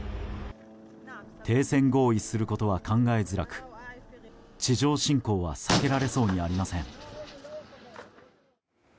停戦合意することは考えづらく地上侵攻は避けられそうにありません。